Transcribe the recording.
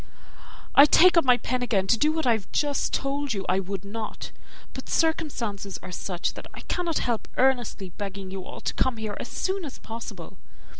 I take up my pen again to do, what I have just told you I would not; but circumstances are such, that I cannot help earnestly begging you all to come here as soon as possible.